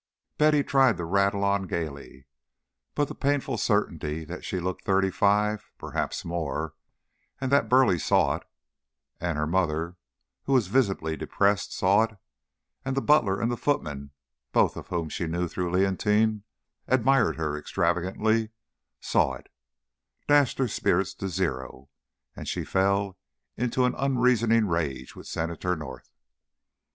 Betty tried to rattle on gayly, but the painful certainty that she looked thirty five (perhaps more), and that Burleigh saw it, and her mother (who was visibly depressed) saw it, and the butler and the footman (both of whom, she knew through Leontine, admired her extravagantly) saw it, dashed her spirits to zero, and she fell into an unreasoning rage with Senator North.